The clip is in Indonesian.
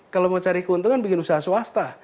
kalau mau cari keuntungan bikin usaha swasta